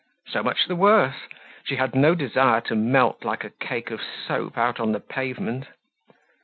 So much the worse! She had no desire to melt like a cake of soap out on the pavement.